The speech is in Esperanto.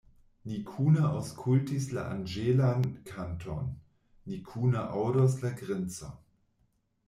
Ni kune aŭskultis la anĝelan kanton, ni kune aŭdos la grincon.